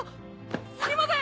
すみません！